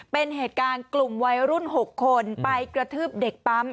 เป็นเหตุการณ์กลุ่มวัยรุ่น๖คนไปกระทืบเด็กปั๊ม